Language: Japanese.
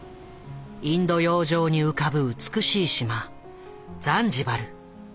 インド洋上に浮かぶ美しい島ザンジバル。